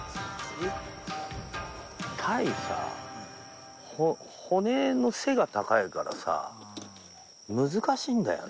鯛さ骨の背が高いからさ難しいんだよね。